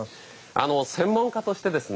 専門家としてですね